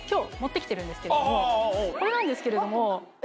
これなんですけれども。